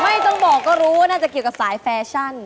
ไม่ต้องบอกก็รู้ว่าน่าจะเกี่ยวกับสายแฟชั่น